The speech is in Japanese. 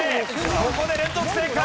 ここで連続正解。